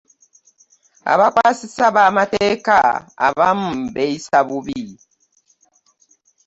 Abakwasisa b'amateeka abamu beeyisa bubi.